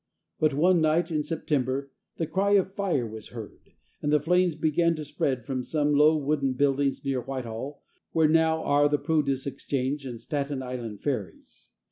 But one night in September the cry of fire was heard, and the flames began to spread from some low wooden buildings near Whitehall, where now are the Produce Exchange and Staten Island ferries.